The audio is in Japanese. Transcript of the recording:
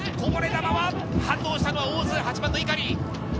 こぼれ球は反応したのは大津、８番の碇。